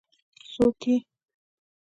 ـ څوک یې؟